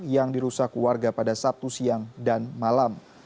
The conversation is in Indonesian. yang dirusak warga pada sabtu siang dan malam